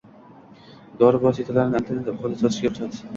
Dori vositalarini Internet orqali sotishga ruxsat.